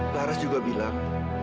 laras juga bilang